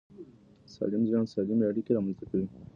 سالم ذهن سالمې اړیکې رامنځته کوي.